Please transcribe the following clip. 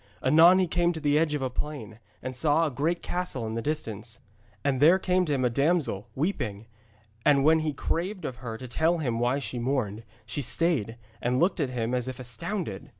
Anon he came to the edge of a plain, and saw a great castle in the distance. And there came to him a damsel, weeping, and when he craved of her to tell him why she mourned, she stayed, and looked at him as if astounded.